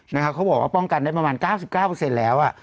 เขาบอกว่าป้องกันได้ประมาณ๙๙แล้ว